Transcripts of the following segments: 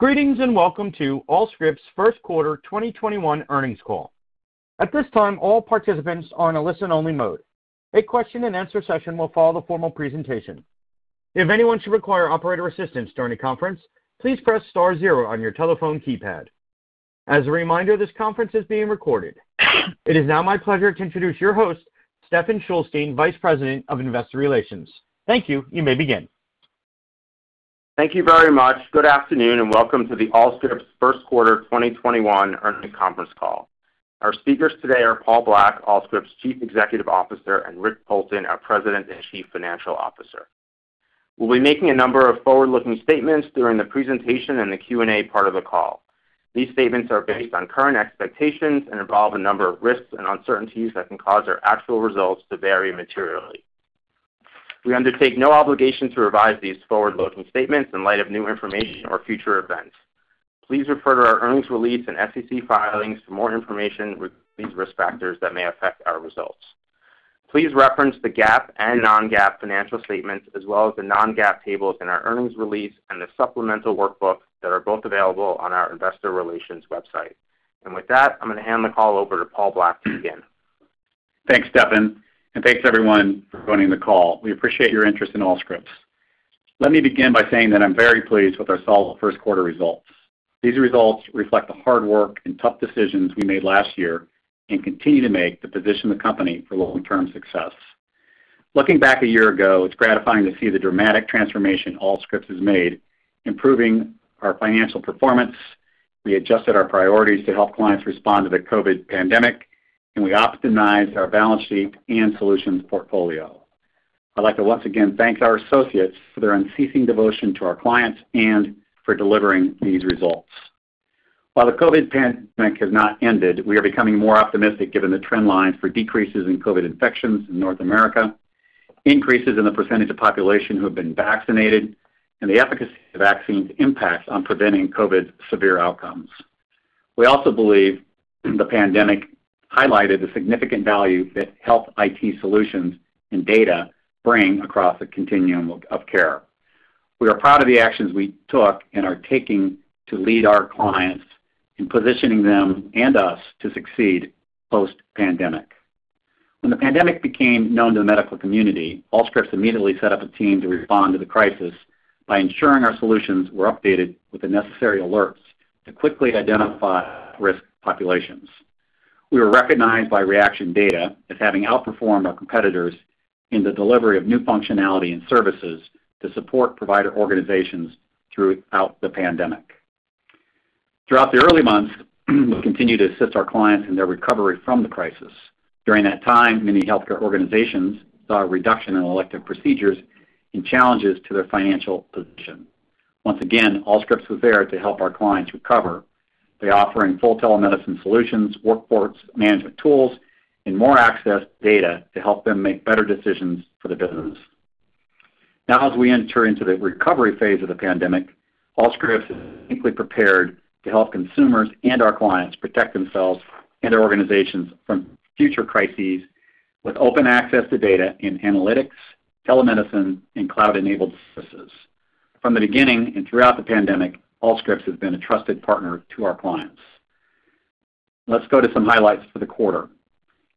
Greetings and welcome to Allscripts' first quarter 2021 earnings call. At this time, all participants are in a listen-only mode. A question and answer session will follow the formal presentation. If anyone should require operator assistance during the conference, please press star zero on your telephone keypad. As a reminder, this conference is being recorded. It is now my pleasure to introduce your host, Stephen Shulstein, Vice President of Investor Relations. Thank you. You may begin. Thank you very much. Good afternoon and welcome to the Allscripts' first quarter 2021 earnings conference call. Our speakers today are Paul Black, Allscripts' Chief Executive Officer, and Rick Poulton, our President and Chief Financial Officer. We'll be making a number of forward-looking statements during the presentation and the Q&A part of the call. These statements are based on current expectations and involve a number of risks and uncertainties that can cause our actual results to vary materially. We undertake no obligation to revise these forward-looking statements in light of new information or future events. Please refer to our earnings release and SEC filings for more information regarding these risk factors that may affect our results. Please reference the GAAP and non-GAAP financial statements as well as the non-GAAP tables in our earnings release and the supplemental workbook that are both available on our investor relations website. With that, I'm going to hand the call over to Paul Black to begin. Thanks, Stephen, and thanks everyone for joining the call. We appreciate your interest in Allscripts. Let me begin by saying that I'm very pleased with our solid first quarter results. These results reflect the hard work and tough decisions we made last year and continue to make to position the company for long-term success. Looking back a year ago, it's gratifying to see the dramatic transformation Allscripts has made improving our financial performance. We adjusted our priorities to help clients respond to the COVID pandemic, and we optimized our balance sheet and solutions portfolio. I'd like to once again thank our associates for their unceasing devotion to our clients and for delivering these results. While the COVID pandemic has not ended, we are becoming more optimistic given the trend lines for decreases in COVID infections in North America, increases in the percentage of population who have been vaccinated, and the efficacy of vaccines' impact on preventing COVID severe outcomes. We also believe the pandemic highlighted the significant value that health IT solutions and data bring across the continuum of care. We are proud of the actions we took and are taking to lead our clients in positioning them and us to succeed post-pandemic. When the pandemic became known to the medical community, Allscripts immediately set up a team to respond to the crisis by ensuring our solutions were updated with the necessary alerts to quickly identify at-risk populations. We were recognized by Reaction Data as having outperformed our competitors in the delivery of new functionality and services to support provider organizations throughout the pandemic. Throughout the early months, we continued to assist our clients in their recovery from the crisis. During that time, many healthcare organizations saw a reduction in elective procedures and challenges to their financial position. Once again, Allscripts was there to help our clients recover by offering full telemedicine solutions, workforce management tools, and more access to data to help them make better decisions for the business. Now as we enter into the recovery phase of the pandemic, Allscripts is uniquely prepared to help consumers and our clients protect themselves and their organizations from future crises with open access to data in analytics, telemedicine, and cloud-enabled services. From the beginning and throughout the pandemic, Allscripts has been a trusted partner to our clients. Let's go to some highlights for the quarter.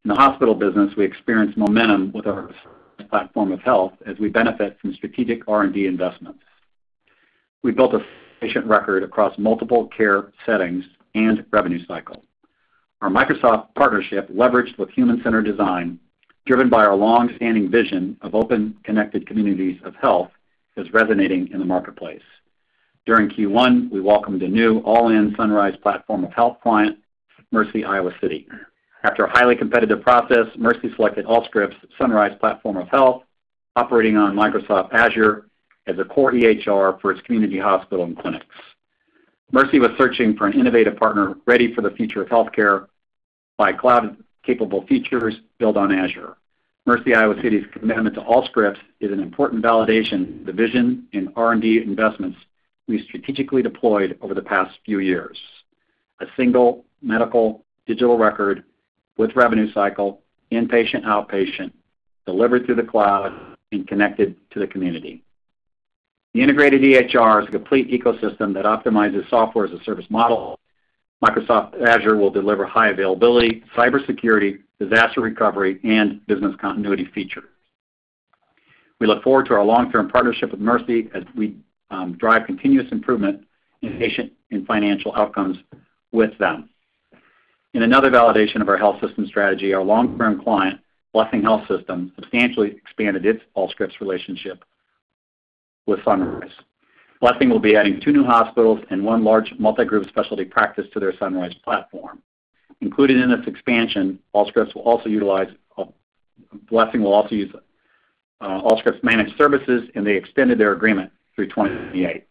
In the hospital business, we experienced momentum with our Sunrise platform of health as we benefit from strategic R&D investments. We built a patient record across multiple care settings and revenue cycle. Our Microsoft partnership leveraged with human-centered design, driven by our longstanding vision of open, connected communities of health, is resonating in the marketplace. During Q1, we welcomed a new all-in Sunrise platform of health client, Mercy Iowa City. After a highly competitive process, Mercy selected Allscripts' Sunrise platform of health, operating on Microsoft Azure as a core EHR for its community hospital and clinics. Mercy was searching for an innovative partner ready for the future of healthcare by cloud-capable features built on Azure. Mercy Iowa City's commitment to Allscripts is an important validation of the vision and R&D investments we strategically deployed over the past few years. A single medical digital record with revenue cycle, inpatient, outpatient, delivered through the cloud and connected to the community. The integrated EHR is a complete ecosystem that optimizes software-as-a-service model. Microsoft Azure will deliver high availability, cybersecurity, disaster recovery, and business continuity features. We look forward to our long-term partnership with Mercy as we drive continuous improvement in patient and financial outcomes with them. In another validation of our health system strategy, our long-term client, Blessing Health System, substantially expanded its Allscripts relationship with Sunrise. Blessing will be adding two new hospitals and one large multi-group specialty practice to their Sunrise platform. Included in this expansion, Blessing will also use Allscripts Managed Services. They extended their agreement through 2028.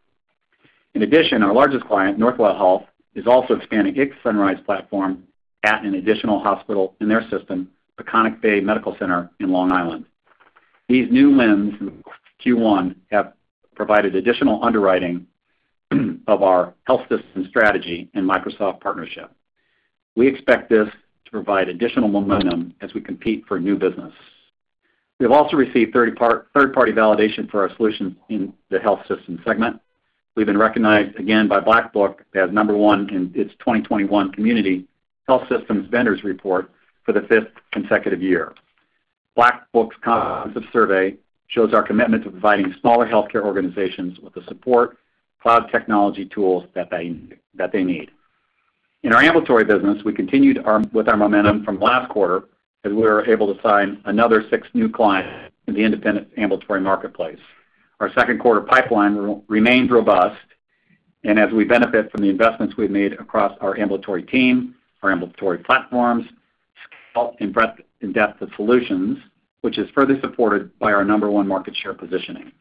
In addition, our largest client, Northwell Health, is also expanding its Sunrise platform at an additional hospital in their system, Peconic Bay Medical Center in Long Island. These new wins in Q1 have provided additional underwriting of our health system strategy and Microsoft partnership. We expect this to provide additional momentum as we compete for new business. We have also received third-party validation for our solutions in the health system segment. We've been recognized again by Black Book as number one in its 2021 Community Health Systems Vendors Report for the fifth consecutive year. Black Book's comprehensive survey shows our commitment to providing smaller healthcare organizations with the support, cloud technology tools that they need. In our ambulatory business, we continued with our momentum from last quarter, as we were able to sign another six new clients in the independent ambulatory marketplace. Our second quarter pipeline remained robust. As we benefit from the investments we've made across our ambulatory team, our ambulatory platforms, scale, and breadth and depth of solutions, which is further supported by our number 1 market share positioning.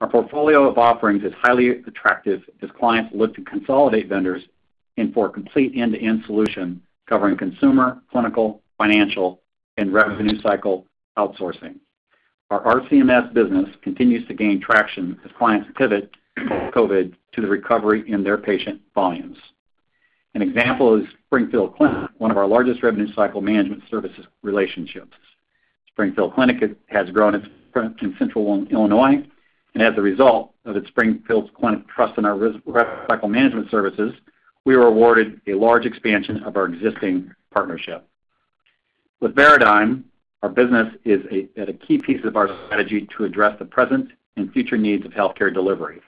Our portfolio of offerings is highly attractive as clients look to consolidate vendors and for a complete end-to-end solution covering consumer, clinical, financial, and revenue cycle outsourcing. Our RCMS business continues to gain traction as clients pivot from COVID to the recovery in their patient volumes. An example is Springfield Clinic, one of our largest revenue cycle management services relationships. Springfield Clinic has grown its footprint in central Illinois. As a result of the Springfield Clinic trust in our revenue cycle management services, we were awarded a large expansion of our existing partnership. With Veradigm, our business is at a key piece of our strategy to address the present and future needs of healthcare delivery.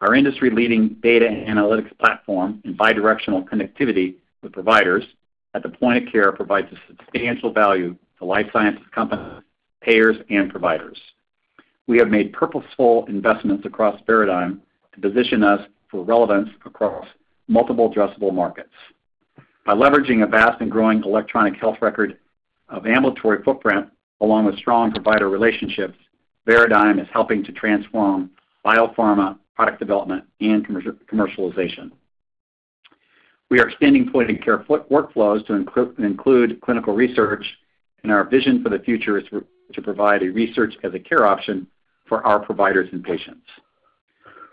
Our industry-leading data analytics platform and bi-directional connectivity with providers at the point of care provides a substantial value to life sciences companies, payers, and providers. We have made purposeful investments across Veradigm to position us for relevance across multiple addressable markets. By leveraging a vast and growing electronic health record of ambulatory footprint, along with strong provider relationships, Veradigm is helping to transform biopharma product development and commercialization. We are extending point-of-care workflows to include clinical research, and our vision for the future is to provide a research as a care option for our providers and patients.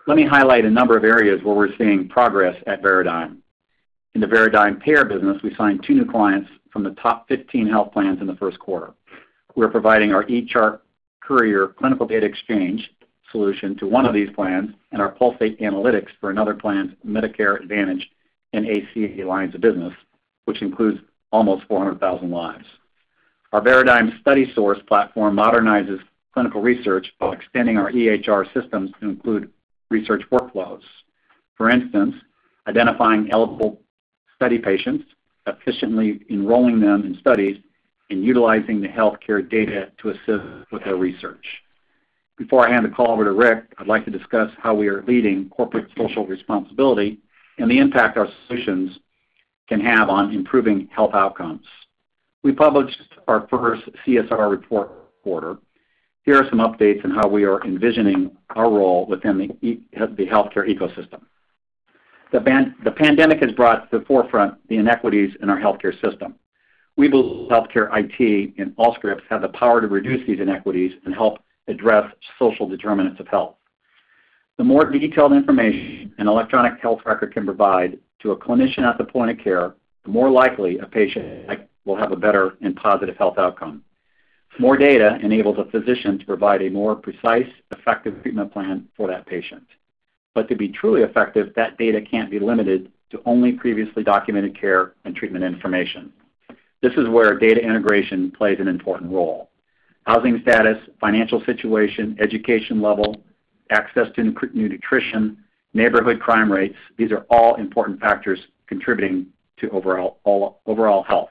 Let me highlight a number of areas where we're seeing progress at Veradigm. In the Veradigm payer business, we signed two new clients from the top 15 health plans in the first quarter. We're providing our eChart Courier clinical data exchange solution to one of these plans and our Veradigm Payer Analytics for another plan's Medicare Advantage and ACA lines of business, which includes almost 400,000 lives. Our Veradigm StudySource platform modernizes clinical research while extending our EHR systems to include research workflows. For instance, identifying eligible study patients, efficiently enrolling them in studies, and utilizing the healthcare data to assist with their research. Before I hand the call over to Rick, I'd like to discuss how we are leading corporate social responsibility and the impact our solutions can have on improving health outcomes. We published our first CSR report quarter. Here are some updates on how we are envisioning our role within the healthcare ecosystem. The pandemic has brought to the forefront the inequities in our healthcare system. We believe healthcare IT and Allscripts have the power to reduce these inequities and help address social determinants of health. The more detailed information an electronic health record can provide to a clinician at the point of care, the more likely a patient will have a better and positive health outcome. More data enables a physician to provide a more precise, effective treatment plan for that patient. To be truly effective, that data can't be limited to only previously documented care and treatment information. This is where data integration plays an important role. Housing status, financial situation, education level, access to nutrition, neighborhood crime rates, these are all important factors contributing to overall health.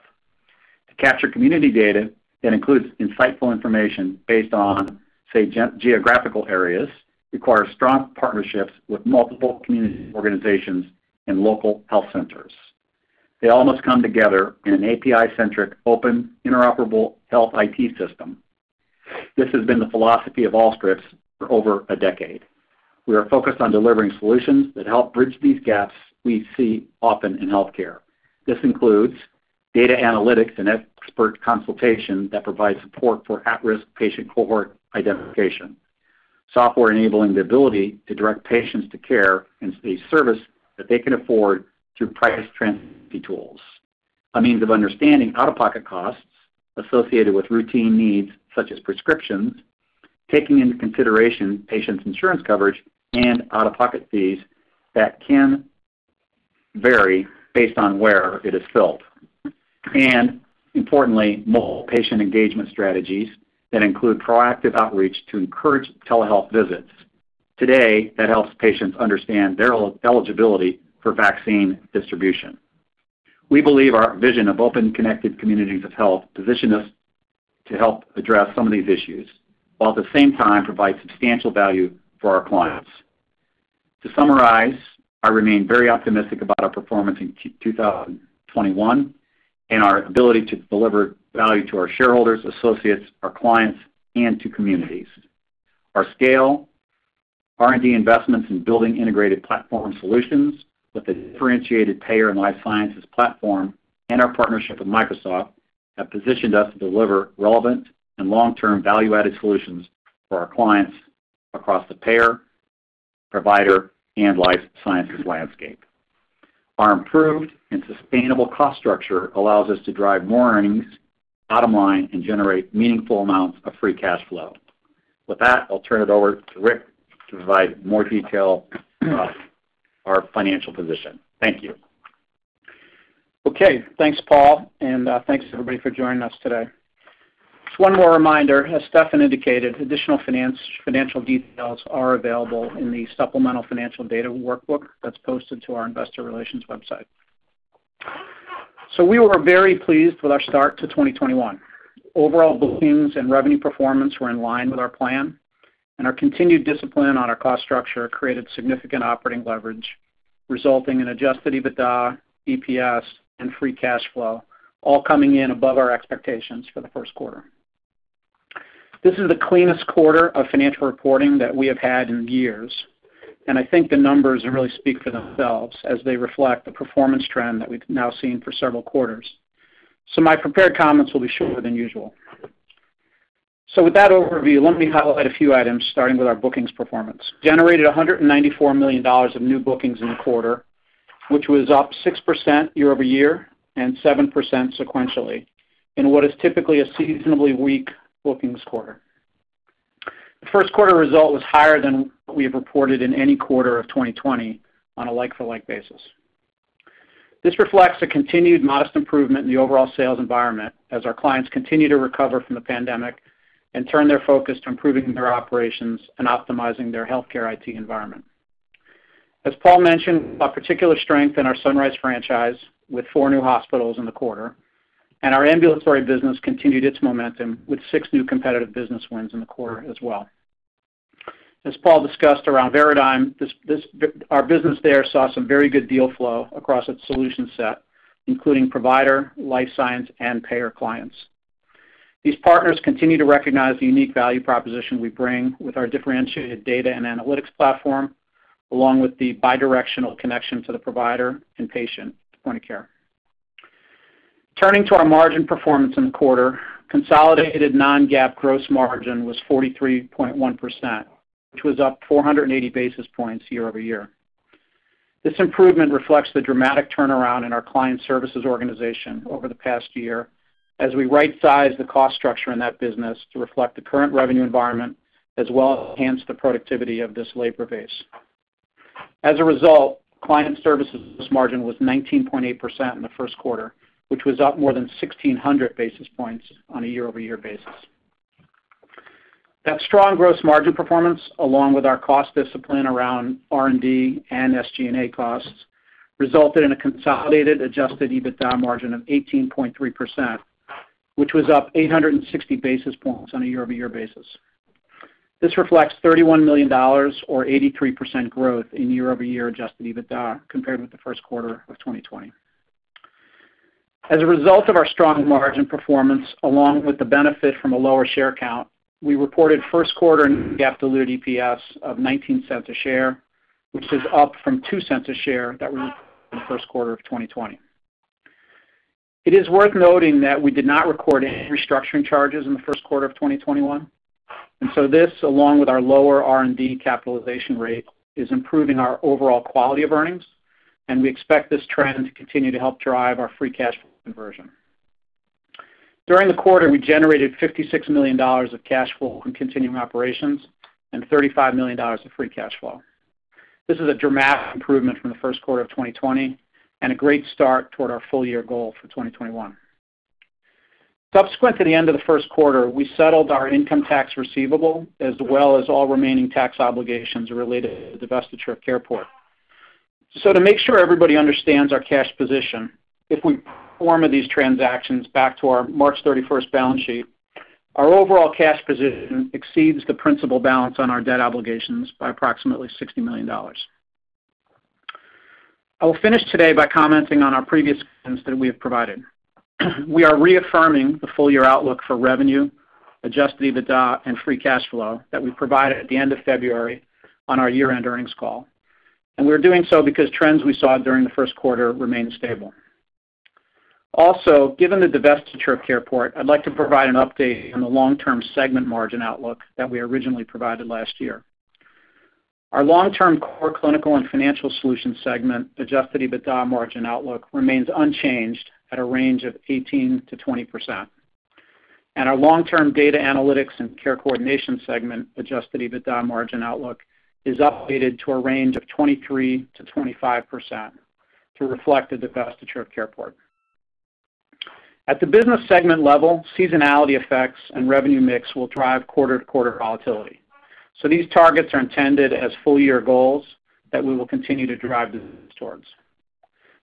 To capture community data that includes insightful information based on, say, geographical areas, requires strong partnerships with multiple community organizations and local health centers. They all must come together in an API-centric, open, interoperable health IT system. This has been the philosophy of Allscripts for over a decade. We are focused on delivering solutions that help bridge these gaps we see often in healthcare. This includes data analytics and expert consultation that provides support for at-risk patient cohort identification. Software enabling the ability to direct patients to care and a service that they can afford through price transparency tools. A means of understanding out-of-pocket costs associated with routine needs, such as prescriptions, taking into consideration patients' insurance coverage and out-of-pocket fees that can vary based on where it is filled. Importantly, mobile patient engagement strategies that include proactive outreach to encourage telehealth visits. Today, that helps patients understand their eligibility for vaccine distribution. We believe our vision of open, connected communities of health position us to help address some of these issues, while at the same time provide substantial value for our clients. To summarize, I remain very optimistic about our performance in 2021 and our ability to deliver value to our shareholders, associates, our clients, and to communities. Our scale, R&D investments in building integrated platform solutions with a differentiated payer and life sciences platform, and our partnership with Microsoft have positioned us to deliver relevant and long-term value-added solutions for our clients across the payer, provider, and life sciences landscape. Our improved and sustainable cost structure allows us to drive more earnings bottom line and generate meaningful amounts of free cash flow. With that, I'll turn it over to Rick to provide more detail about our financial position. Thank you. Okay. Thanks, Paul, and thanks everybody for joining us today. Just one more reminder, as Stephen indicated, additional financial details are available in the supplemental financial data workbook that's posted to our investor relations website. We were very pleased with our start to 2021. Overall bookings and revenue performance were in line with our plan, and our continued discipline on our cost structure created significant operating leverage, resulting in adjusted EBITDA, EPS, and free cash flow all coming in above our expectations for the first quarter. This is the cleanest quarter of financial reporting that we have had in years, and I think the numbers really speak for themselves as they reflect the performance trend that we've now seen for several quarters. My prepared comments will be shorter than usual. With that overview, let me highlight a few items, starting with our bookings performance. Generated $194 million of new bookings in the quarter, which was up 6% year-over-year and 7% sequentially, in what is typically a seasonably weak bookings quarter. The first quarter result was higher than what we have reported in any quarter of 2020 on a like-for-like basis. This reflects a continued modest improvement in the overall sales environment as our clients continue to recover from the pandemic and turn their focus to improving their operations and optimizing their healthcare IT environment. As Paul mentioned, a particular strength in our Sunrise franchise, with four new hospitals in the quarter, and our ambulatory business continued its momentum with six new competitive business wins in the quarter as well. As Paul discussed around Veradigm, our business there saw some very good deal flow across its solution set, including provider, life science, and payer clients. These partners continue to recognize the unique value proposition we bring with our differentiated data and analytics platform, along with the bidirectional connection to the provider and patient point of care. Turning to our margin performance in the quarter, consolidated non-GAAP gross margin was 43.1%, which was up 480 basis points year-over-year. This improvement reflects the dramatic turnaround in our client services organization over the past year as we right-sized the cost structure in that business to reflect the current revenue environment, as well as enhance the productivity of this labor base. As a result, client services margin was 19.8% in the first quarter, which was up more than 1,600 basis points on a year-over-year basis. That strong gross margin performance, along with our cost discipline around R&D and SG&A costs, resulted in a consolidated adjusted EBITDA margin of 18.3%, which was up 860 basis points on a year-over-year basis. This reflects $31 million, or 83% growth, in year-over-year adjusted EBITDA compared with the first quarter of 2020. As a result of our strong margin performance, along with the benefit from a lower share count, we reported first quarter non-GAAP dilute EPS of $0.19 a share, which is up from $0.02 a share that we in the first quarter of 2020. It is worth noting that we did not record any restructuring charges in the first quarter of 2021. This, along with our lower R&D capitalization rate, is improving our overall quality of earnings, and we expect this trend to continue to help drive our free cash flow conversion. During the quarter, we generated $56 million of cash flow from continuing operations and $35 million of free cash flow. This is a dramatic improvement from the first quarter of 2020 and a great start toward our full year goal for 2021. Subsequent to the end of the first quarter, we settled our income tax receivable, as well as all remaining tax obligations related to the divestiture of CarePort. To make sure everybody understands our cash position, if we pro forma these transactions back to our March 31st balance sheet, our overall cash position exceeds the principal balance on our debt obligations by approximately $60 million. I will finish today by commenting on our previous comments that we have provided. We are reaffirming the full year outlook for revenue, adjusted EBITDA, and free cash flow that we provided at the end of February on our year-end earnings call. We're doing so because trends we saw during the first quarter remain stable. Given the divestiture of CarePort, I'd like to provide an update on the long-term segment margin outlook that we originally provided last year. Our long-term Core Clinical and Financial Solutions segment adjusted EBITDA margin outlook remains unchanged at a range of 18%-20%. Our long-term Data Analytics and Care Coordination segment adjusted EBITDA margin outlook is updated to a range of 23%-25% to reflect the divestiture of CarePort. At the business segment level, seasonality effects and revenue mix will drive quarter-to-quarter volatility. These targets are intended as full-year goals that we will continue to drive the business towards.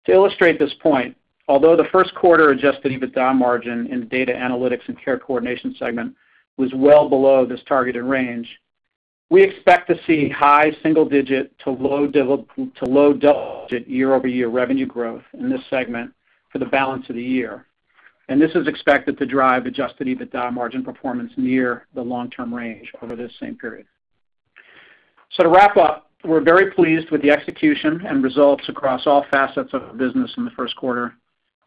To illustrate this point, although the first quarter adjusted EBITDA margin in the Data Analytics and Care Coordination segment was well below this targeted range, we expect to see high single-digit to low double-digit year-over-year revenue growth in this segment for the balance of the year, and this is expected to drive adjusted EBITDA margin performance near the long-term range over this same period. To wrap up, we're very pleased with the execution and results across all facets of the business in the first quarter,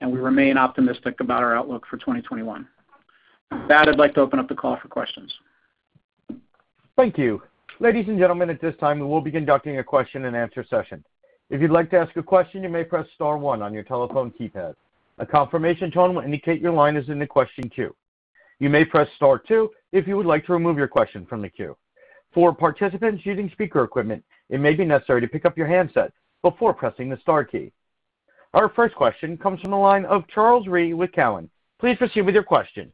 and we remain optimistic about our outlook for 2021. With that, I'd like to open up the call for questions. Thank you. Our first question comes from the line of Charles Rhyee with Cowen. Please proceed with your question.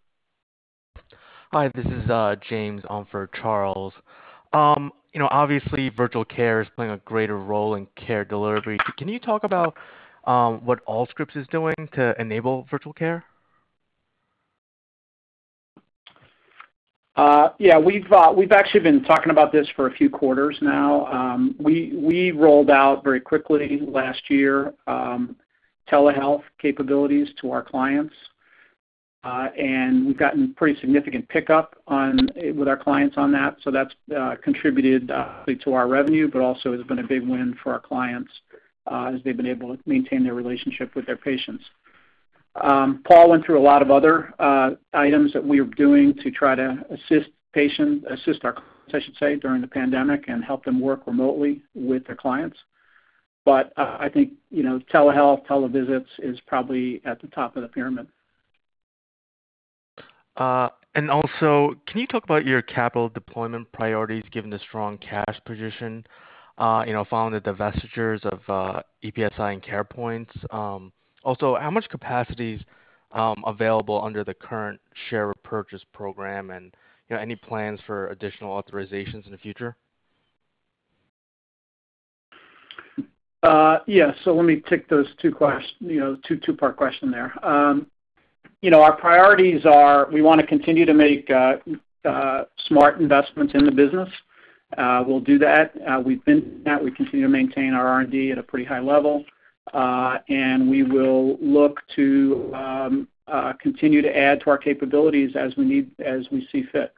Hi, this is James on for Charles. Obviously, virtual care is playing a greater role in care delivery. Can you talk about what Allscripts is doing to enable virtual care? Yeah. We've actually been talking about this for a few quarters now. We rolled out very quickly last year, telehealth capabilities to our clients. We've gotten pretty significant pickup with our clients on that, so that's contributed to our revenue, but also has been a big win for our clients, as they've been able to maintain their relationship with their patients. Paul went through a lot of other items that we're doing to try to assist our clients, I should say, during the pandemic, and help them work remotely with their clients. I think, telehealth, televisits is probably at the top of the pyramid. Can you talk about your capital deployment priorities given the strong cash position, following the divestitures of EPSi and CarePort? How much capacity is available under the current share repurchase program, and any plans for additional authorizations in the future? Yeah. Let me take those two part question there. Our priorities are, we want to continue to make smart investments in the business. We'll do that. We've been doing that. We continue to maintain our R&D at a pretty high level. We will look to continue to add to our capabilities as we see fit.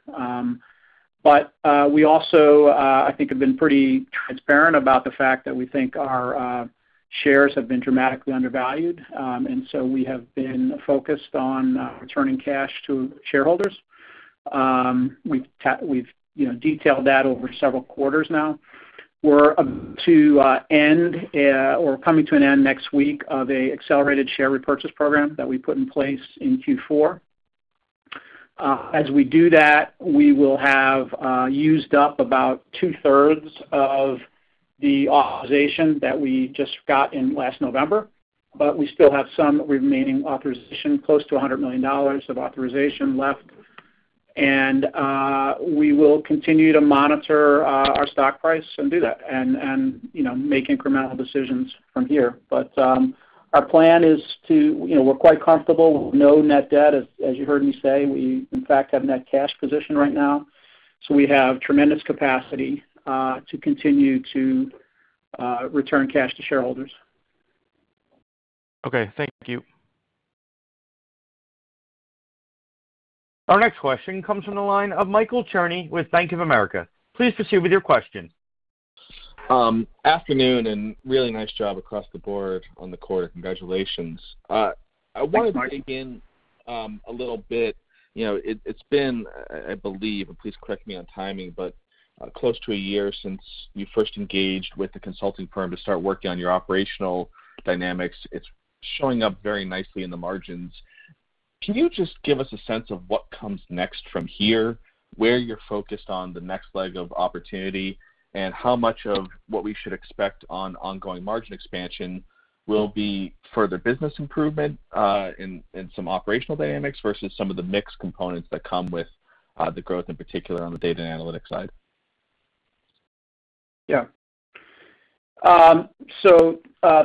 We also, I think, have been pretty transparent about the fact that we think our shares have been dramatically undervalued, and so we have been focused on returning cash to shareholders. We've detailed that over several quarters now. We're coming to an end next week of a accelerated share repurchase program that we put in place in Q4. As we do that, we will have used up about 2/3 of the authorization that we just got in last November. We still have some remaining authorization, close to $100 million of authorization left. We will continue to monitor our stock price and do that, and make incremental decisions from here. Our plan is we're quite comfortable no net debt, as you heard me say. We, in fact, have net cash position right now. We have tremendous capacity to continue to return cash to shareholders. Okay, thank you. Our next question comes from the line of Michael Cherny with Bank of America. Please proceed with your question. Afternoon, really nice job across the board on the quarter. Congratulations. Thanks, Mike. I wanted to dig in a little bit. It's been, I believe, and please correct me on timing, but close to a year since you first engaged with the consulting firm to start working on your operational dynamics. It's showing up very nicely in the margins. Can you just give us a sense of what comes next from here, where you're focused on the next leg of opportunity, and how much of what we should expect on ongoing margin expansion will be further business improvement in some operational dynamics versus some of the mix components that come with the growth, in particular on the data and analytics side? Yeah.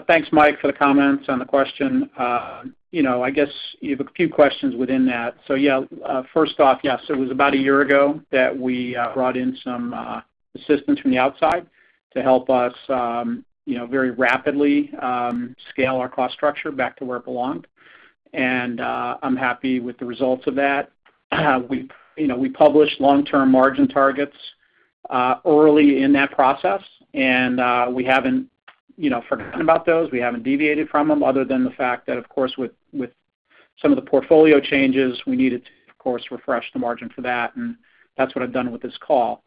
Thanks, Mike, for the comments and the question. I guess you have a few questions within that. Yeah, first off, yes, it was about a year ago that we brought in some assistance from the outside to help us very rapidly scale our cost structure back to where it belonged. I'm happy with the results of that. We published long-term margin targets early in that process, and we haven't forgotten about those. We haven't deviated from them other than the fact that, of course, with some of the portfolio changes, we needed to, of course, refresh the margin for that, and that's what I've done with this call.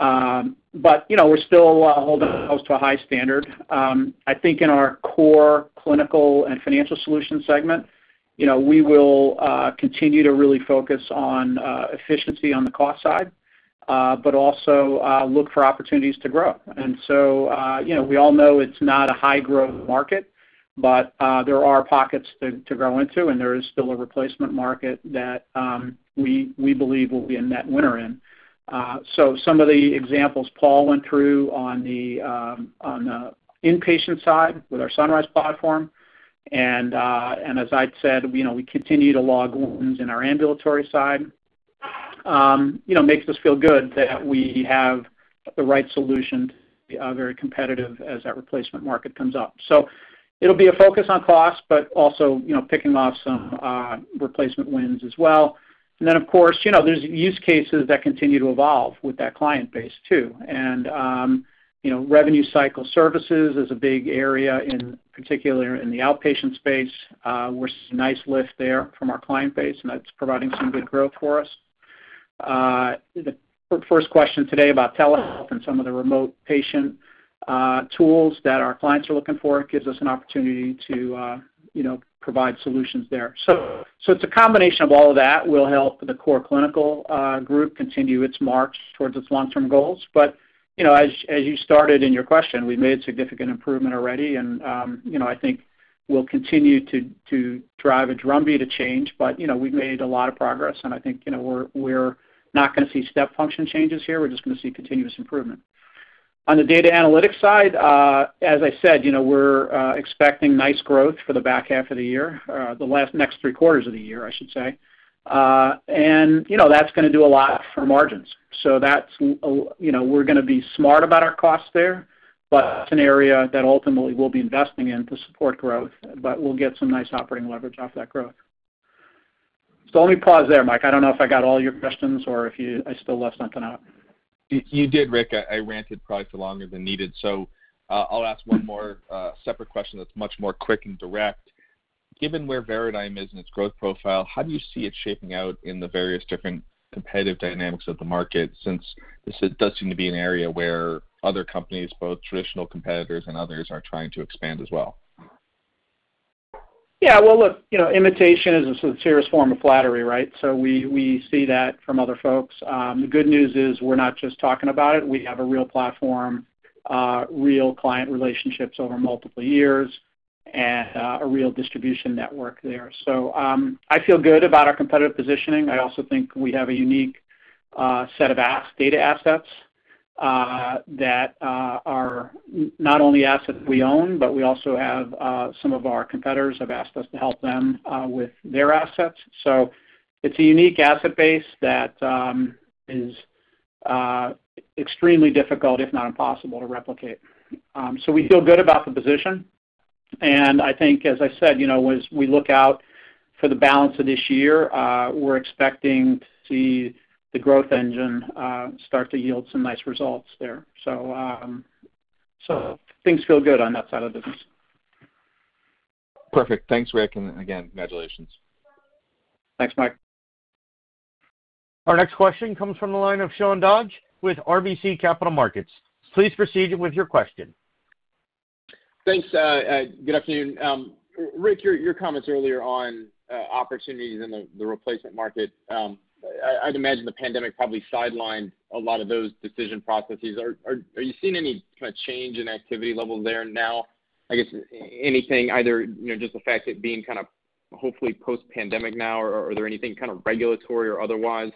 We're still holding ourselves to a high standard. I think in our Core Clinical and Financial Solution Segment, we will continue to really focus on efficiency on the cost side, but also look for opportunities to grow. We all know it's not a high-growth market, but there are pockets to grow into, and there is still a replacement market that we believe we'll be a net winner in. Some of the examples Paul went through on the inpatient side with our Sunrise platform, and as I'd said, we continue to log wins in our ambulatory side. Makes us feel good that we have the right solution, very competitive as that replacement market comes up. It'll be a focus on cost, but also picking off some replacement wins as well. Of course, there's use cases that continue to evolve with that client base, too. Revenue Cycle Services is a big area, in particular in the outpatient space. We're seeing a nice lift there from our client base, and that's providing some good growth for us. The first question today about telehealth and some of the remote patient tools that our clients are looking for gives us an opportunity to provide solutions there. It's a combination of all of that will help the core clinical group continue its march towards its long-term goals. As you started in your question, we've made significant improvement already and I think we'll continue to drive a drumbeat of change. We've made a lot of progress, and I think we're not going to see step function changes here. We're just going to see continuous improvement. On the data analytics side, as I said, we're expecting nice growth for the back half of the year, or the next three quarters of the year, I should say. That's going to do a lot for margins. We're going to be smart about our costs there, but it's an area that ultimately we'll be investing in to support growth, but we'll get some nice operating leverage off that growth. Let me pause there, Mike. I don't know if I got all your questions or if I still left something out. You did, Rick. I ranted probably for longer than needed. I'll ask one more separate question that's much more quick and direct. Given where Veradigm is in its growth profile, how do you see it shaping out in the various different competitive dynamics of the market, since this does seem to be an area where other companies, both traditional competitors and others, are trying to expand as well? Yeah. Well, look, imitation is the sincerest form of flattery, right? We see that from other folks. The good news is we're not just talking about it. We have a real platform, real client relationships over multiple years, and a real distribution network there. I feel good about our competitive positioning. I also think we have a unique set of data assets that are not only assets we own, but we also have some of our competitors have asked us to help them with their assets. It's a unique asset base that is extremely difficult, if not impossible, to replicate. We feel good about the position, and I think, as I said, as we look out for the balance of this year, we're expecting to see the growth engine start to yield some nice results there. Things feel good on that side of the business. Perfect. Thanks, Rick, and again, congratulations. Thanks, Mike. Our next question comes from the line of Sean Dodge with RBC Capital Markets. Please proceed with your question. Thanks. Good afternoon. Rick, your comments earlier on opportunities in the replacement market. I'd imagine the pandemic probably sidelined a lot of those decision processes. Are you seeing any change in activity level there now? I guess anything either just the fact it being hopefully post-pandemic now, or are there anything regulatory or otherwise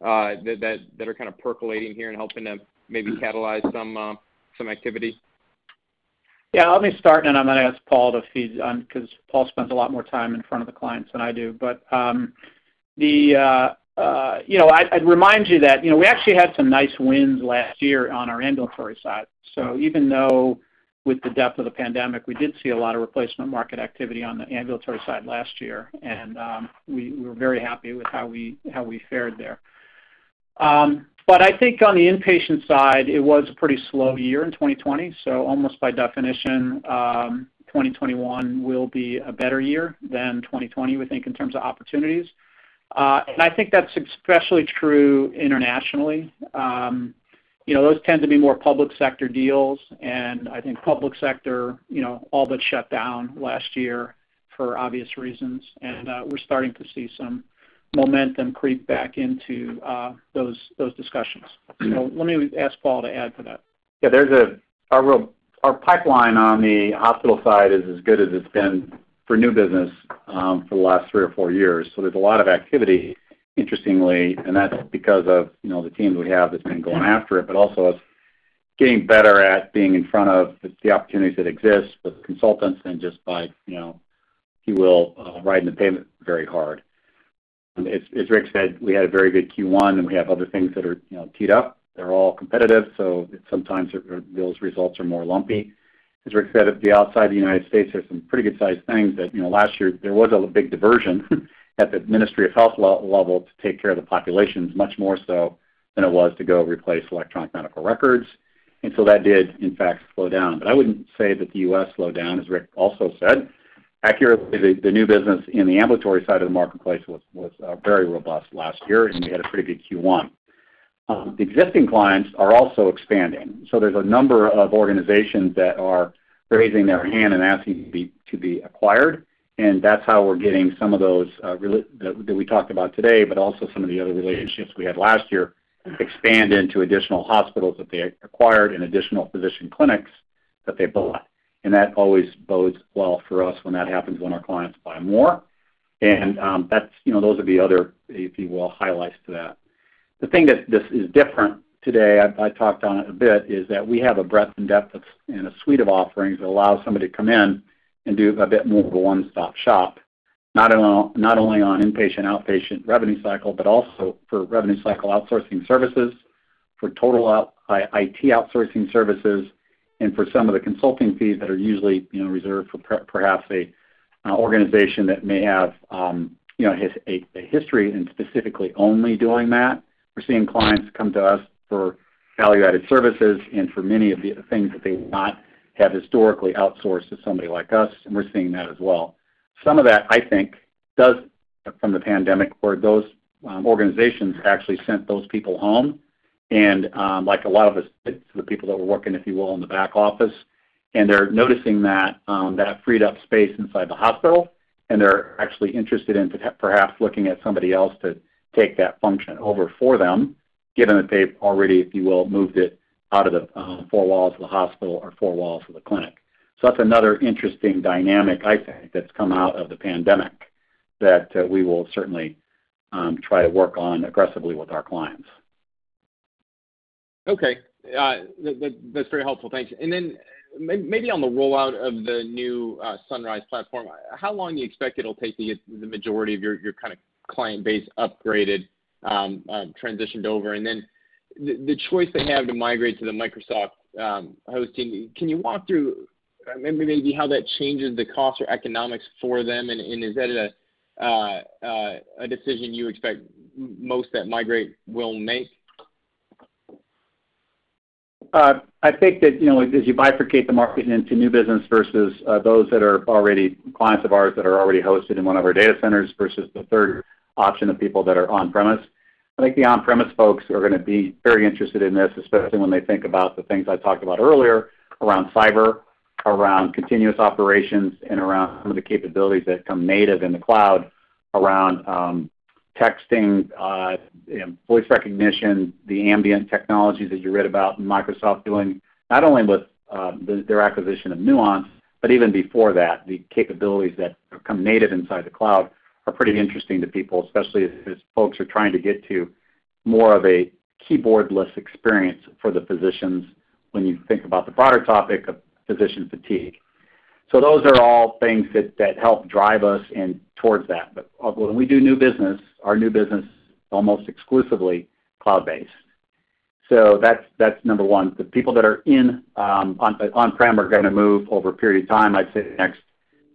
that are percolating here and helping to maybe catalyze some activity? Yeah, let me start, then I'm going to ask Paul to feed on, because Paul spends a lot more time in front of the clients than I do. I'd remind you that we actually had some nice wins last year on our ambulatory side. Even though with the depth of the pandemic, we did see a lot of replacement market activity on the ambulatory side last year, and we were very happy with how we fared there. I think on the inpatient side, it was a pretty slow year in 2020. Almost by definition, 2021 will be a better year than 2020, we think, in terms of opportunities. I think that's especially true internationally. Those tend to be more public sector deals, and I think public sector all but shut down last year for obvious reasons. We're starting to see some momentum creep back into those discussions. Let me ask Paul to add to that. Yeah, our pipeline on the hospital side is as good as it's been for new business for the last three or four years. There's a lot of activity, interestingly, and that's because of the teams we have that's been going after it, but also us getting better at being in front of the opportunities that exist with consultants and just by, if you will, riding the payment very hard. As Rick said, we had a very good Q1, and we have other things that are teed up. They're all competitive, sometimes those results are more lumpy. As Rick said, at the outside of the United States, there's some pretty good-sized things that last year there was a big diversion at the Ministry of Health level to take care of the populations, much more so than it was to go replace electronic medical records. That did in fact slow down. I wouldn't say that the U.S. slowed down, as Rick also said. Accurately, the new business in the ambulatory side of the marketplace was very robust last year. We had a pretty good Q1. Existing clients are also expanding. There's a number of organizations that are raising their hand and asking to be acquired. That's how we're getting some of those that we talked about today, but also some of the other relationships we had last year expand into additional hospitals that they acquired and additional physician clinics that they bought. That always bodes well for us when that happens, when our clients buy more, and those are the other, if you will, highlights to that. The thing that is different today, I talked on it a bit, is that we have a breadth and depth and a suite of offerings that allows somebody to come in and do a bit more of a one-stop shop, not only on inpatient, outpatient revenue cycle, but also for revenue cycle outsourcing services, for total IT outsourcing services, and for some of the consulting fees that are usually reserved for perhaps a organization that may have a history in specifically only doing that. We're seeing clients come to us for value-added services and for many of the things that they have not had historically outsourced to somebody like us, and we're seeing that as well. Some of that, I think, does from the pandemic where those organizations actually sent those people home, and like a lot of us, the people that were working, if you will, in the back office, and they're noticing that freed up space inside the hospital, and they're actually interested in perhaps looking at somebody else to take that function over for them, given that they've already, if you will, moved it out of the four walls of the hospital or four walls of the clinic. That's another interesting dynamic, I think, that's come out of the pandemic that we will certainly try to work on aggressively with our clients. Okay. That's very helpful. Thank you. Maybe on the rollout of the new Sunrise platform, how long you expect it'll take to get the majority of your client base upgraded, transitioned over? The choice they have to migrate to the Microsoft hosting, can you walk through maybe how that changes the cost or economics for them, and is that a decision you expect most that migrate will make? I think that as you bifurcate the market into new business versus those that are already clients of ours that are already hosted in one of our data centers versus the third option of people that are on-premise, I think the on-premise folks are going to be very interested in this, especially when they think about the things I talked about earlier around cyber, around continuous operations, and around some of the capabilities that come native in the cloud around texting, voice recognition, the ambient technologies that you read about Microsoft doing, not only with their acquisition of Nuance, but even before that. The capabilities that come native inside the cloud are pretty interesting to people, especially as folks are trying to get to more of a keyboard-less experience for the physicians when you think about the broader topic of physician fatigue. Those are all things that help drive us towards that. When we do new business, our new business is almost exclusively cloud-based. That's number one. The people that are on-prem are going to move over a period of time, I'd say the next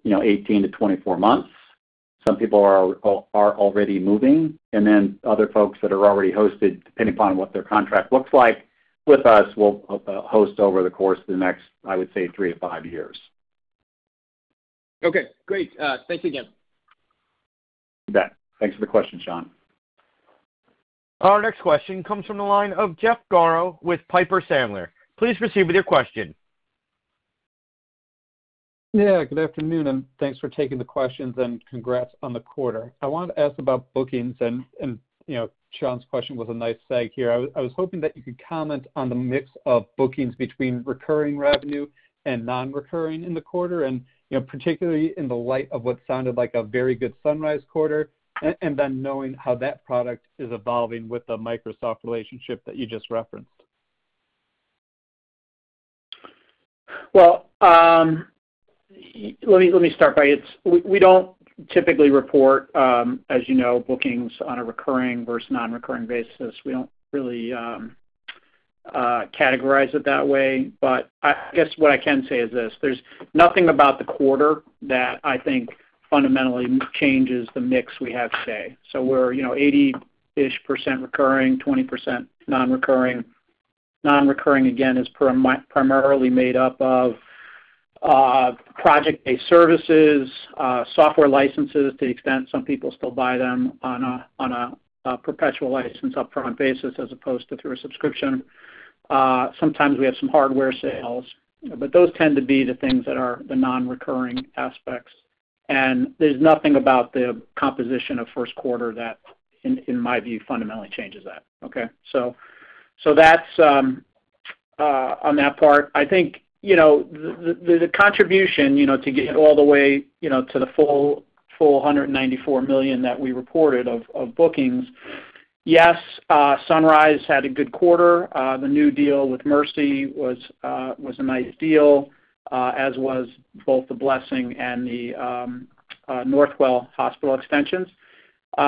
18-24 months. Some people are already moving. Other folks that are already hosted, depending upon what their contract looks like with us, will host over the course of the next, I would say, three to five years. Okay, great. Thanks again. You bet. Thanks for the question, Sean. Our next question comes from the line of Jeff Garro with Piper Sandler. Please proceed with your question. Yeah, good afternoon, and thanks for taking the questions and congrats on the quarter. I wanted to ask about bookings, and Sean's question was a nice segue here. I was hoping that you could comment on the mix of bookings between recurring revenue and non-recurring in the quarter, and particularly in the light of what sounded like a very good Sunrise quarter, and then knowing how that product is evolving with the Microsoft relationship that you just referenced. Well, let me start by, we don't typically report, as you know, bookings on a recurring versus non-recurring basis. We don't really categorize it that way. I guess what I can say is this: There's nothing about the quarter that I think fundamentally changes the mix we have today. We're 80-ish% recurring, 20% non-recurring. Non-recurring, again, is primarily made up of project-based services, software licenses to the extent some people still buy them on a perpetual license upfront basis as opposed to through a subscription. Sometimes we have some hardware sales. Those tend to be the things that are the non-recurring aspects, and there's nothing about the composition of first quarter that, in my view, fundamentally changes that. Okay. That's on that part. I think the contribution to get all the way to the full $194 million that we reported of bookings, yes, Sunrise had a good quarter. The new deal with Mercy was a nice deal, as was both the Blessing and the Northwell hospital extensions. We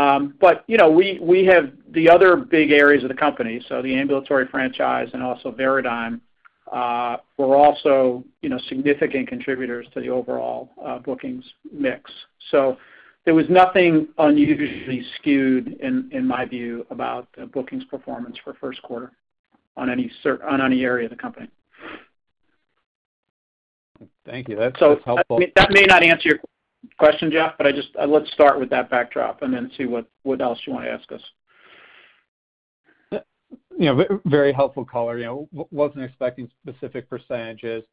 have the other big areas of the company. The ambulatory franchise and also Veradigm were also significant contributors to the overall bookings mix. There was nothing unusually skewed, in my view, about the bookings performance for first quarter on any area of the company. Thank you. That's helpful. That may not answer your question, Jeff, but let's start with that backdrop and then see what else you want to ask us. Very helpful color. Wasn't expecting specific percentages.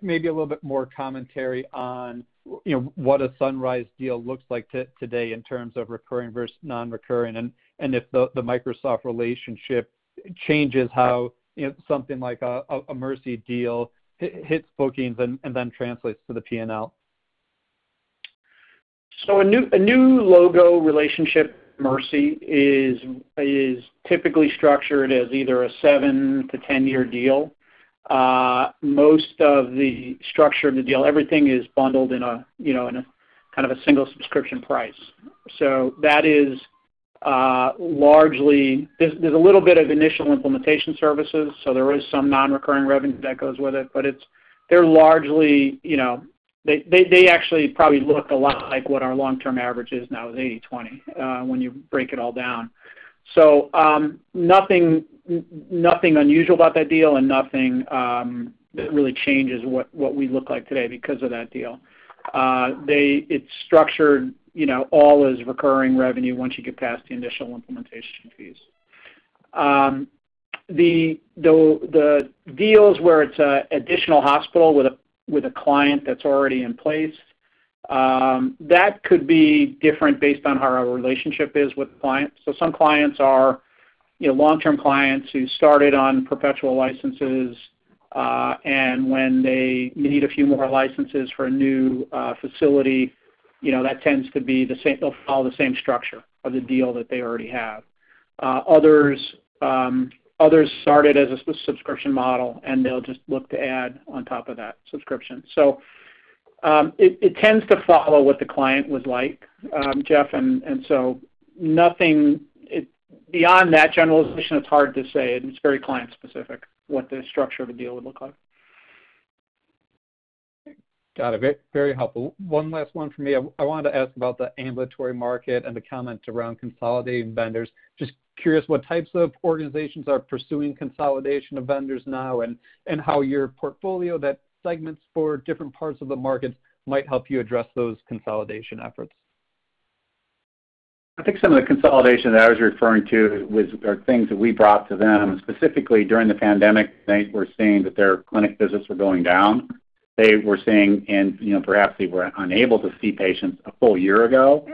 Maybe a little bit more commentary on what a Sunrise deal looks like today in terms of recurring versus non-recurring and if the Microsoft relationship changes how something like a Mercy deal hits bookings and then translates to the P&L. A new logo relationship, Mercy, is typically structured as either a seven to 10-year deal. Most of the structure of the deal, everything is bundled in a kind of a single subscription price. There's a little bit of initial implementation services, so there is some non-recurring revenue that goes with it, but they actually probably look a lot like what our long-term average is now, is 80/20, when you break it all down. Nothing unusual about that deal and nothing that really changes what we look like today because of that deal. It's structured all as recurring revenue once you get past the initial implementation fees. The deals where it's an additional hospital with a client that's already in place, that could be different based on how our relationship is with the client. Some clients are long-term clients who started on perpetual licenses, and when they need a few more licenses for a new facility, they'll follow the same structure of the deal that they already have. Others started as a subscription model, and they'll just look to add on top of that subscription. It tends to follow what the client was like, Jeff. Beyond that generalization, it's hard to say. It's very client-specific what the structure of the deal would look like. Got it. Very helpful. One last one from me. I wanted to ask about the ambulatory market and the comments around consolidating vendors. Just curious what types of organizations are pursuing consolidation of vendors now, and how your portfolio that segments for different parts of the markets might help you address those consolidation efforts. I think some of the consolidation that I was referring to are things that we brought to them, specifically during the pandemic. They were seeing that their clinic visits were going down. They were seeing, and perhaps they were unable to see patients a full year ago.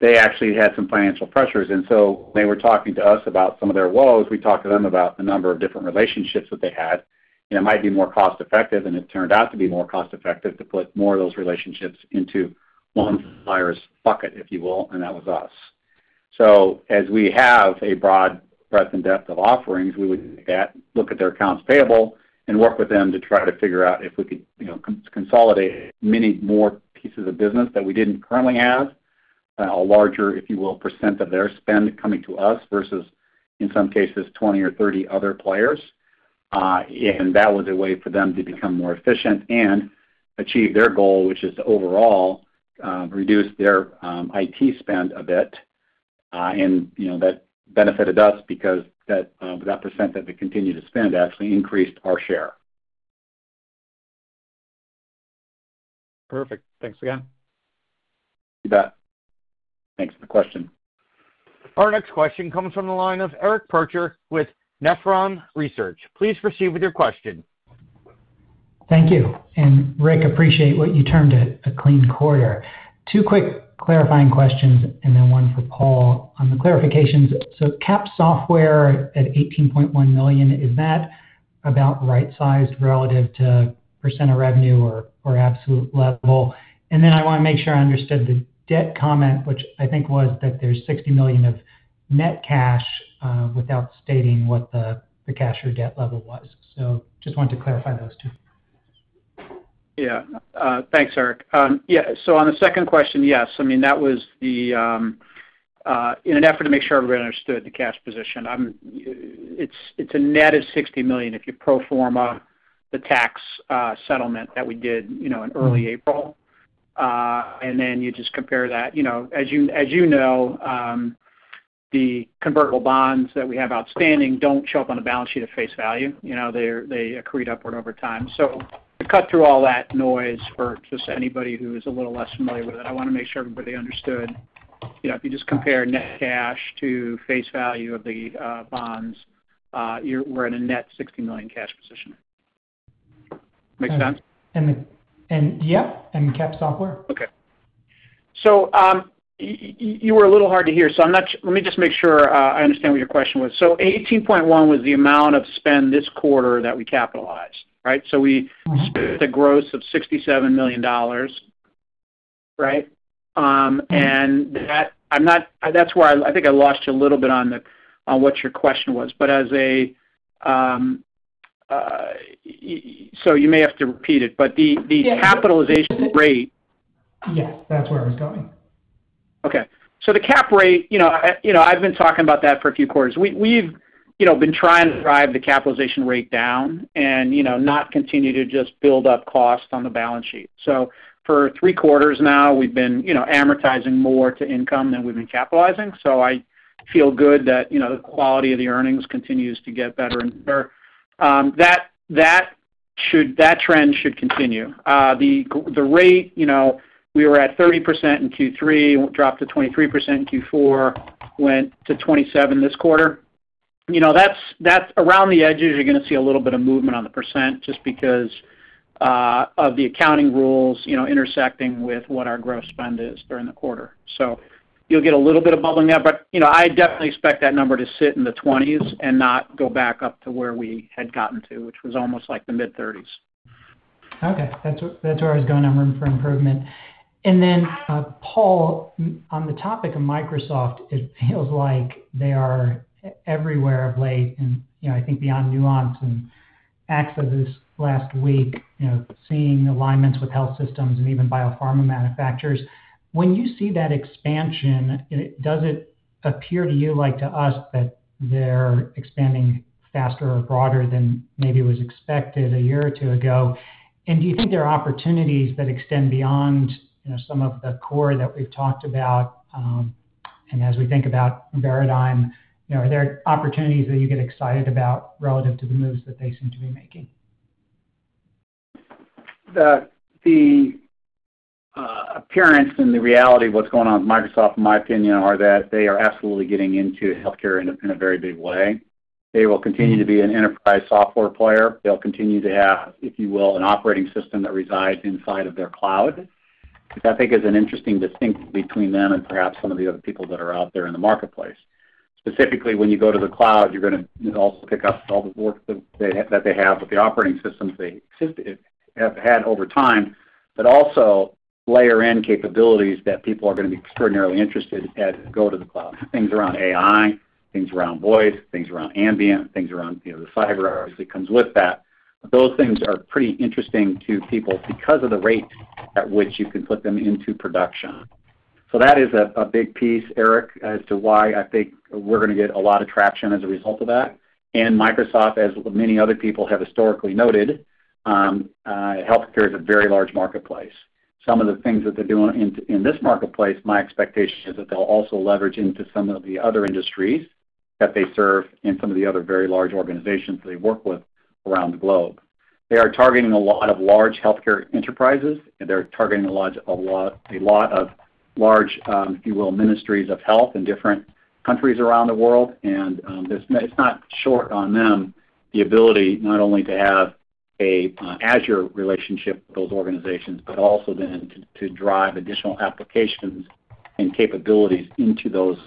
They actually had some financial pressures, and so they were talking to us about some of their woes. We talked to them about the number of different relationships that they had, and it might be more cost-effective, and it turned out to be more cost-effective to put more of those relationships into one supplier's bucket, if you will, and that was us. As we have a broad breadth and depth of offerings, we would look at their accounts payable and work with them to try to figure out if we could consolidate many more pieces of business that we didn't currently have, a larger, if you will, percent of their spend coming to us versus, in some cases, 20 or 30 other players. That was a way for them to become more efficient and achieve their goal, which is to overall reduce their IT spend a bit. That benefited us because that percent that they continued to spend actually increased our share. Perfect. Thanks again. You bet. Thanks for the question. Our next question comes from the line of Eric Percher with Nephron Research. Please proceed with your question. Thank you. Rick, appreciate what you termed a clean quarter. Two quick clarifying questions and then one for Paul. On the clarifications, cap software at $18.1 million, is that about right-sized relative to percent of revenue or absolute level? I want to make sure I understood the debt comment, which I think was that there's $60 million of net cash without stating what the cash or debt level was. Just wanted to clarify those two. Thanks, Eric. On the second question, yes. In an effort to make sure everybody understood the cash position, it's a net of $60 million if you pro forma the tax settlement that we did in early April. Then you just compare that. As you know, the convertible bonds that we have outstanding don't show up on a balance sheet of face value. They accrued upward over time. To cut through all that noise for just anybody who is a little less familiar with it, I want to make sure everybody understood, if you just compare net cash to face value of the bonds, we're in a net $60 million cash position. Make sense? Yeah. CapEx software? Okay. You were a little hard to hear, let me just make sure I understand what your question was. 18.1 was the amount of spend this quarter that we capitalized, right? We spent a gross of $67 million. Right? That's where I think I lost you a little bit on what your question was. You may have to repeat it, but the capitalization rate- Yes. That's where I was going. Okay. The cap rate, I've been talking about that for a few quarters. We've been trying to drive the capitalization rate down and not continue to just build up costs on the balance sheet. For three quarters now, we've been amortizing more to income than we've been capitalizing. I feel good that the quality of the earnings continues to get better and better. That trend should continue. The rate, we were at 30% in Q3, dropped to 23% in Q4, went to 27% this quarter. Around the edges, you're going to see a little bit of movement on the percent just because of the accounting rules intersecting with what our gross spend is during the quarter. You'll get a little bit of bubbling up, but I definitely expect that number to sit in the 20s and not go back up to where we had gotten to, which was almost like the mid-30s. Okay. That's where I was going on room for improvement. Paul, on the topic of Microsoft, it feels like they are everywhere of late and I think beyond Nuance and Axo this last week, seeing alignments with health systems and even biopharma manufacturers. When you see that expansion, does it appear to you like to us that they're expanding faster or broader than maybe was expected a year or two ago? Do you think there are opportunities that extend beyond some of the core that we've talked about? As we think about Veradigm, are there opportunities that you get excited about relative to the moves that they seem to be making? The appearance and the reality of what's going on with Microsoft, in my opinion, are that they are absolutely getting into healthcare in a very big way. They will continue to be an enterprise software player. They'll continue to have, if you will, an operating system that resides inside of their cloud, which I think is an interesting distinction between them and perhaps some of the other people that are out there in the marketplace. Specifically, when you go to the cloud, you're going to also pick up all the work that they have with the operating systems they have had over time, but also layer in capabilities that people are going to be extraordinarily interested as they go to the cloud. Things around AI, things around voice, things around ambient, things around the FHIR obviously comes with that. Those things are pretty interesting to people because of the rate at which you can put them into production. That is a big piece, Eric, as to why I think we're going to get a lot of traction as a result of that. Microsoft, as many other people have historically noted, healthcare is a very large marketplace. Some of the things that they're doing in this marketplace, my expectation is that they'll also leverage into some of the other industries that they serve and some of the other very large organizations they work with around the globe. They are targeting a lot of large healthcare enterprises. They're targeting a lot of large, if you will, ministries of health in different countries around the world. It's not short on them, the ability not only to have an Azure relationship with those organizations, but also then to drive additional applications and capabilities into those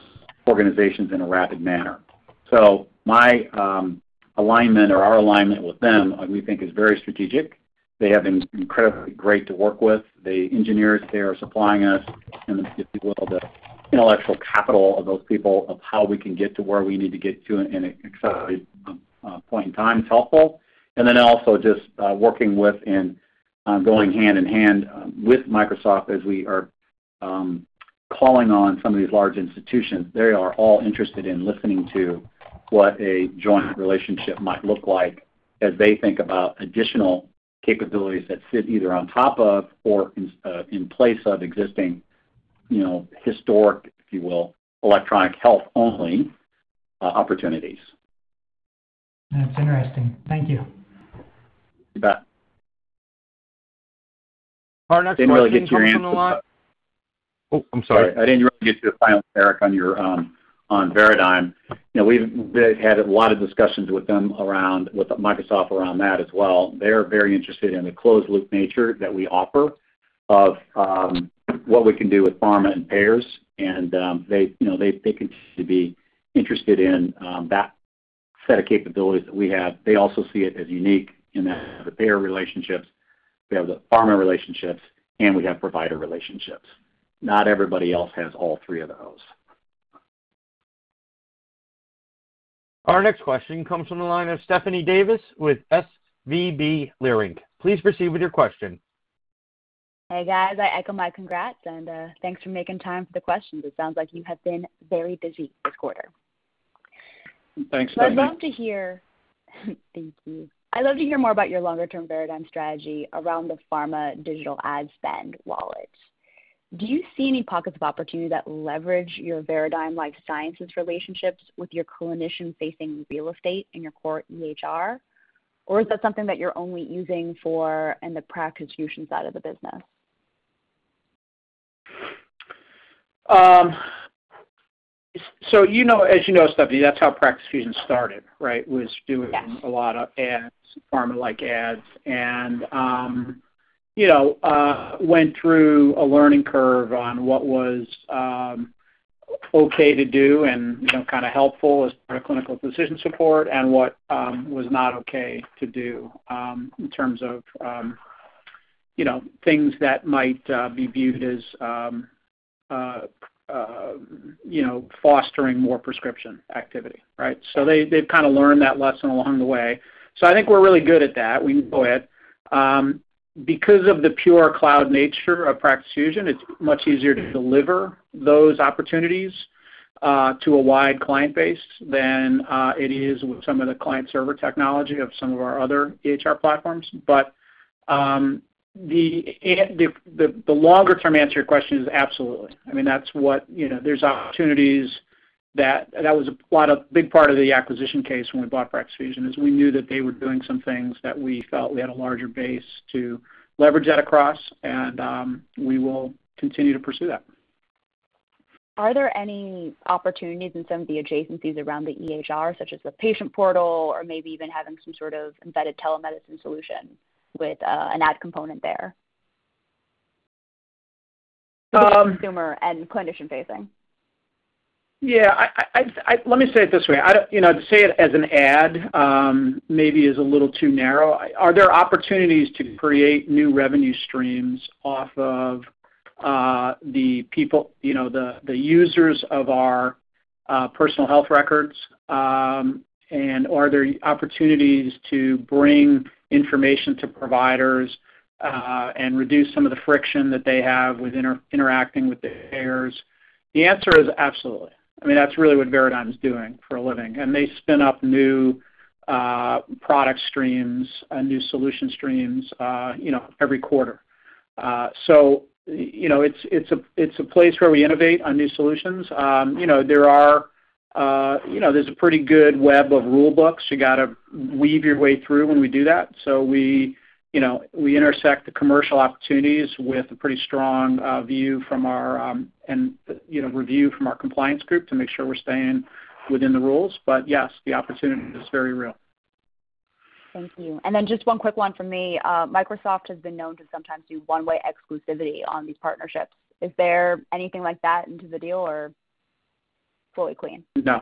organizations in a rapid manner. My alignment or our alignment with them, we think is very strategic. They have been incredibly great to work with. The engineers there are supplying us and, if you will, the intellectual capital of those people of how we can get to where we need to get to in an accelerated point in time is helpful. Then also just working with and going hand in hand with Microsoft as we are calling on some of these large institutions. They are all interested in listening to what a joint relationship might look like as they think about additional capabilities that sit either on top of or in place of existing historic, if you will, electronic health only opportunities. That's interesting. Thank you. You bet. Our next question comes from the line. I didn't really get your answer. Oh, I'm sorry. I didn't really get to the final, Eric, on Veradigm. We've had a lot of discussions with them around, with Microsoft around that as well. They're very interested in the closed-loop nature that we offer of what we can do with pharma and payers, and they continue to be interested in that set of capabilities that we have. They also see it as unique in that we have the payer relationships, we have the pharma relationships, and we have provider relationships. Not everybody else has all three of those. Our next question comes from the line of Stephanie Davis with SVB Leerink. Please proceed with your question. Hey, guys. I echo my congrats and thanks for making time for the questions. It sounds like you have been very busy this quarter. Thanks, Stephanie. Thank you. I'd love to hear more about your longer-term Veradigm strategy around the pharma digital ad spend wallet. Do you see any pockets of opportunity that leverage your Veradigm life sciences relationships with your clinician-facing real estate in your core EHR? Is that something that you're only using for in the Practice Fusion side of the business? As you know, Stephanie, that's how Practice Fusion started, right? Yes. Was doing a lot of ads, pharma-like ads, and went through a learning curve on what was okay to do and helpful as part of clinical decision support and what was not okay to do in terms of things that might be viewed as fostering more prescription activity, right? They've learned that lesson along the way. I think we're really good at that. We can go ahead. Because of the pure cloud nature of Practice Fusion, it's much easier to deliver those opportunities to a wide client base than it is with some of the client server technology of some of our other EHR platforms. The longer-term answer to your question is absolutely. There's opportunities. That was a big part of the acquisition case when we bought Practice Fusion, is we knew that they were doing some things that we felt we had a larger base to leverage that across, and we will continue to pursue that. Are there any opportunities in some of the adjacencies around the EHR, such as the patient portal or maybe even having some sort of embedded telemedicine solution with an ad component there? Consumer and clinician facing. Yeah. Let me say it this way. To say it as an ad maybe is a little too narrow. Are there opportunities to create new revenue streams off of the users of our personal health records? Are there opportunities to bring information to providers and reduce some of the friction that they have with interacting with the payers? The answer is absolutely. That's really what Veradigm's doing for a living, and they spin up new product streams and new solution streams every quarter. It's a place where we innovate on new solutions. There's a pretty good web of rule books. You got to weave your way through when we do that. We intersect the commercial opportunities with a pretty strong view and review from our compliance group to make sure we're staying within the rules. Yes, the opportunity is very real. Thank you. Just one quick one from me. Microsoft has been known to sometimes do one-way exclusivity on these partnerships. Is there anything like that into the deal or fully clean? No.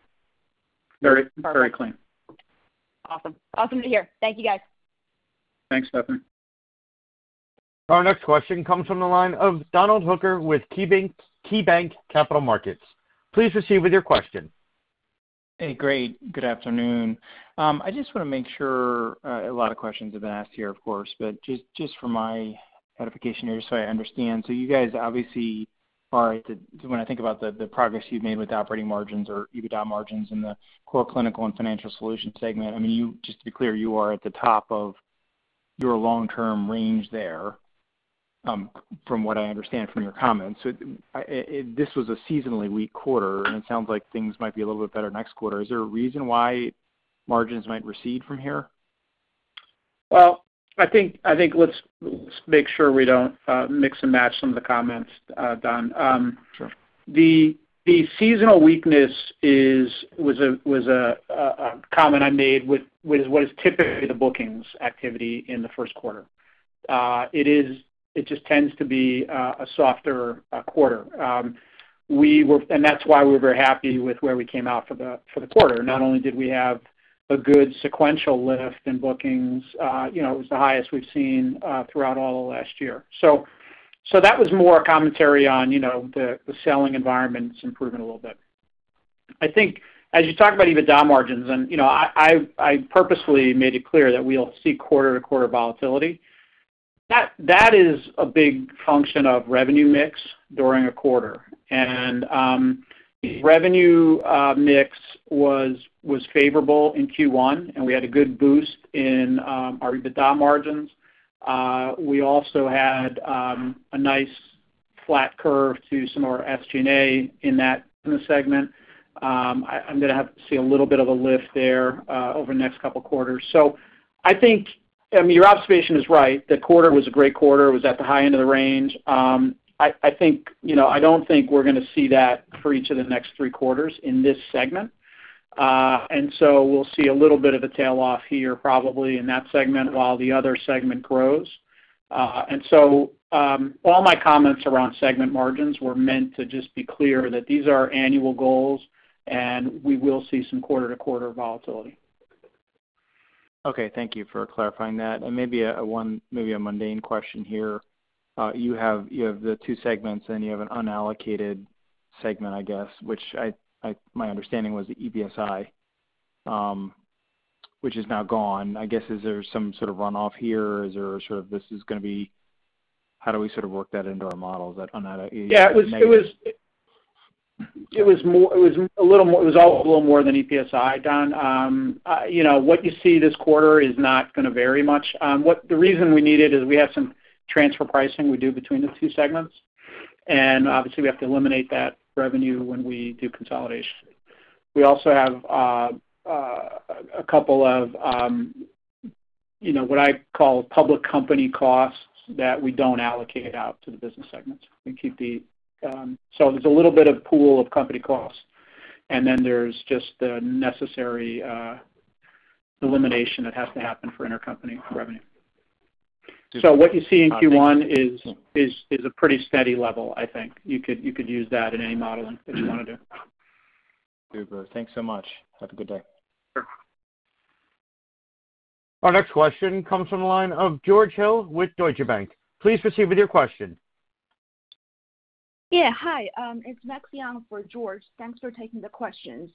Very clean. Awesome to hear. Thank you, guys. Thanks, Stephanie. Our next question comes from the line of Donald Hooker with KeyBanc Capital Markets. Please proceed with your question. Hey, great. Good afternoon. I just want to make sure, a lot of questions have been asked here, of course, but just for my edification here, so I understand. You guys obviously are at the when I think about the progress you've made with operating margins or EBITDA margins in the core Clinical and Financial Solutions segment, just to be clear, you are at the top of your long-term range there, from what I understand from your comments. This was a seasonally weak quarter, and it sounds like things might be a little bit better next quarter. Is there a reason why margins might recede from here? Well, I think let's make sure we don't mix and match some of the comments, Don. Sure. The seasonal weakness was a comment I made with what is typically the bookings activity in the first quarter. It just tends to be a softer quarter. That's why we were very happy with where we came out for the quarter. Not only did we have a good sequential lift in bookings, it was the highest we've seen throughout all of last year. That was more a commentary on the selling environment's improving a little bit. I think as you talk about EBITDA margins, I purposely made it clear that we'll see quarter-to-quarter volatility. That is a big function of revenue mix during a quarter. Revenue mix was favorable in Q1, and we had a good boost in our EBITDA margins. We also had a nice flat curve to some of our SG&A in the segment. I'm going to have to see a little bit of a lift there over the next couple of quarters. I think, your observation is right. The quarter was a great quarter. It was at the high end of the range. I don't think we're going to see that for each of the next three quarters in this segment. We'll see a little bit of a tail off here, probably in that segment while the other segment grows. All my comments around segment margins were meant to just be clear that these are our annual goals, and we will see some quarter-to-quarter volatility. Okay, thank you for clarifying that. Maybe a mundane question here. You have the two segments, and you have an unallocated segment, I guess, which my understanding was the EPSi, which is now gone. I guess, is there some sort of runoff here? How do we sort of work that into our models? Yeah, it was all a little more than EPSi, Don. What you see this quarter is not going to vary much. The reason we need it is we have some transfer pricing we do between the two segments. Obviously, we have to eliminate that revenue when we do consolidation. We also have a couple of, what I call public company costs that we don't allocate out to the business segments. There's a little bit of pool of company costs, and then there's just the necessary elimination that has to happen for intercompany revenue. What you see in Q1 is a pretty steady level, I think. You could use that in any modeling that you want to do. Super. Thanks so much. Have a good day. Sure. Our next question comes from the line of George Hill with Deutsche Bank. Please proceed with your question. Yeah. Hi, it's Max on for George. Thanks for taking the questions.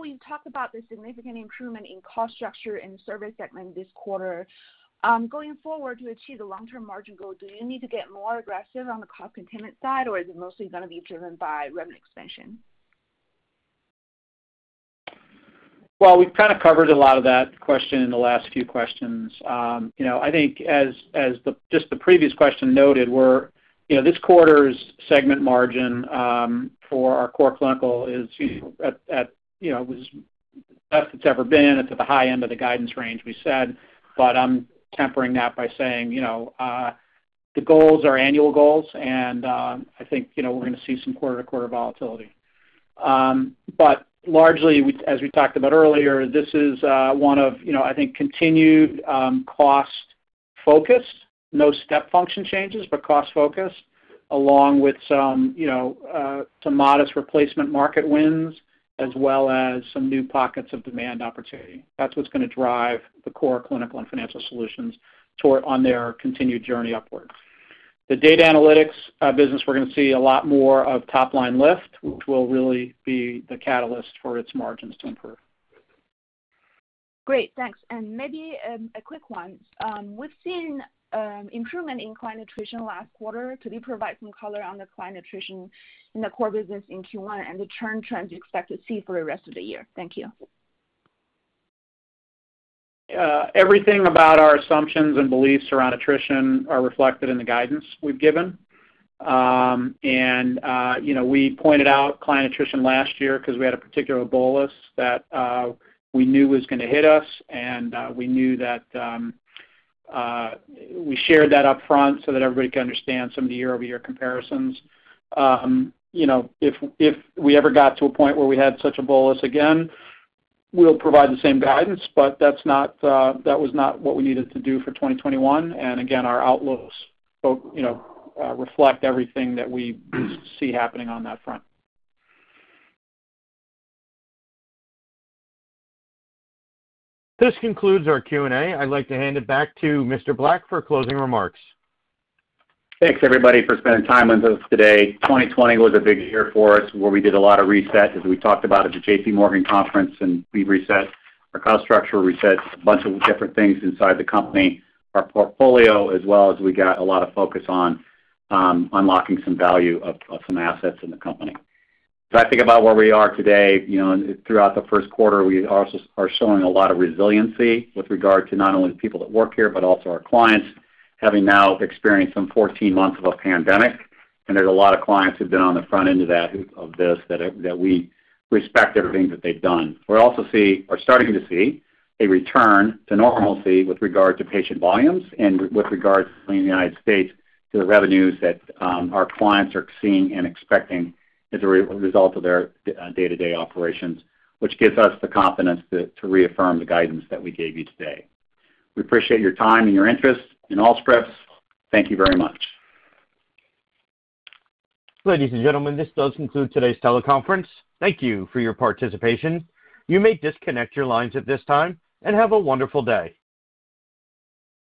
We've talked about the significant improvement in cost structure in the service segment this quarter. Going forward, to achieve the long-term margin goal, do you need to get more aggressive on the cost containment side, or is it mostly going to be driven by revenue expansion? Well, we've kind of covered a lot of that question in the last few questions. I think as just the previous question noted, this quarter's segment margin for our core clinical was the best it's ever been. It's at the high end of the guidance range we said. I'm tempering that by saying, the goals are annual goals, and I think we're going to see some quarter-to-quarter volatility. Largely, as we talked about earlier, this is one of, I think, continued cost focus. No step function changes, but cost focus, along with some modest replacement market wins, as well as some new pockets of demand opportunity. That's what's going to drive the core clinical and financial solutions on their continued journey upwards. The data analytics business, we're going to see a lot more of top-line lift, which will really be the catalyst for its margins to improve. Great. Thanks. Maybe a quick one. We've seen improvement in client attrition last quarter. Could you provide some color on the client attrition in the core business in Q1 and the churn trends you expect to see for the rest of the year? Thank you. Everything about our assumptions and beliefs around attrition are reflected in the guidance we've given. We pointed out client attrition last year because we had a particular bolus that we knew was going to hit us, and we shared that up front so that everybody could understand some of the year-over-year comparisons. If we ever got to a point where we had such a bolus again, we'll provide the same guidance, but that was not what we needed to do for 2021. Again, our outlooks reflect everything that we see happening on that front. This concludes our Q&A. I'd like to hand it back to Mr. Black for closing remarks. Thanks everybody for spending time with us today. 2020 was a big year for us where we did a lot of reset as we talked about at the JPMorgan conference, and we reset our cost structure, reset a bunch of different things inside the company, our portfolio as well as we got a lot of focus on unlocking some value of some assets in the company. I think about where we are today. Throughout the first quarter, we also are showing a lot of resiliency with regard to not only the people that work here, but also our clients having now experienced some 14 months of a pandemic. There's a lot of clients who've been on the front end of this that we respect everything that they've done. We're also starting to see a return to normalcy with regard to patient volumes and with regards to the U.S., to the revenues that our clients are seeing and expecting as a result of their day-to-day operations, which gives us the confidence to reaffirm the guidance that we gave you today. We appreciate your time and your interest in Allscripts. Thank you very much. Ladies and gentlemen, this does conclude today's teleconference. Thank you for your participation. You may disconnect your lines at this time, and have a wonderful day.